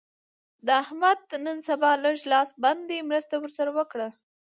د احمد نن سبا لږ لاس بند دی؛ مرسته ور سره وکړه.